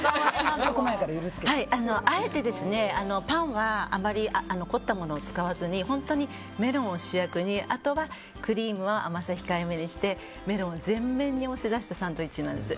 あえてパンはあまり凝ったものを使わずに本当にメロンを主役にあとはクリームは甘さ控えめにしてメロンを前面に押し出したサンドイッチなんです。